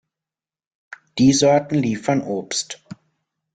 Die Sorten liefern Obst.